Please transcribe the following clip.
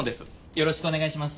よろしくお願いします。